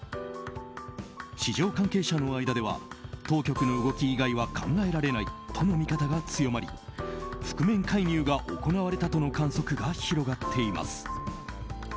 市場関係者の間では当局の動き以外は考えられないとの見方が強まり覆面介入が行われたとの観測が広がっています。